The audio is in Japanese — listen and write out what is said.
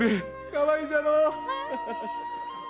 かわいいだろう！